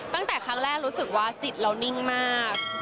ตั้งแต่ครั้งแรกรู้สึกว่าจิตเรานิ่งมาก